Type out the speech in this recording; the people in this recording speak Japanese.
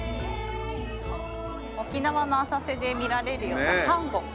沖縄の浅瀬で見られるようなサンゴご紹介。